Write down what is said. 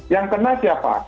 yang kena siapa